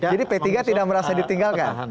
jadi petingnya tidak merasa ditinggalkan